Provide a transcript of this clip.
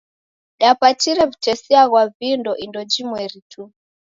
Dapatire w'utesia ghwa vindo indo jimweri tu.